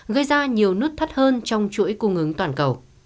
gây ra nhiều nút thắt hơn trong chuỗi cung ứng toàn cầu